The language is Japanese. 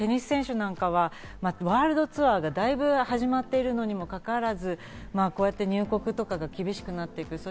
ワールドツアーがだいぶ始まっているのにもかかわらず、こうやって入国とかが厳しくなっていく。